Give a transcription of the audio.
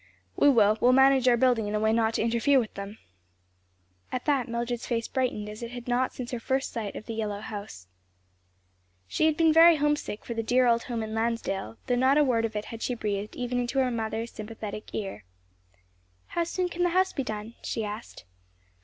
"We will; we'll manage our building in a way not to interfere with them." At that Mildred's face brightened as it had not since her first sight of the yellow house. She had been very homesick for the dear old home in Lansdale, though not a word of it had she breathed even into her mother's sympathetic ear. "How soon can the house be done?" she asked.